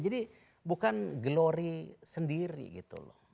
jadi bukan glory sendiri gitu loh